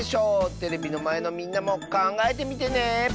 テレビのまえのみんなもかんがえてみてね。